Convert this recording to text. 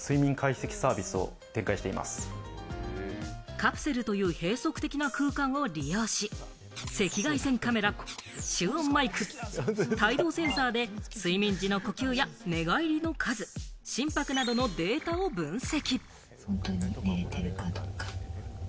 カプセルという閉塞的な空間を利用し、赤外線カメラ、集音マイク、体動センサーで睡眠時の呼吸や寝返りの数、心拍などのデータを分析。